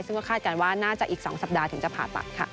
ซึ่งก็คาดการณ์ว่าน่าจะอีก๒สัปดาห์ถึงจะผ่าตัดค่ะ